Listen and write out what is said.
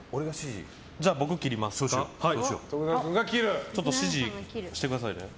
じゃあ、僕が切りますか。指示してくださいよ。